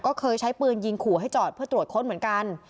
ก็เคยใช้ปืนยิงขู่ให้จอดเพื่อตรวจค้นเหมือนกัน